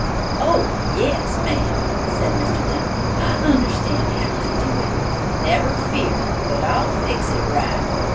"Oh, yes, ma'am," said Mr. Dunn, "I understand how to do it. Never fear but I'll fix it right."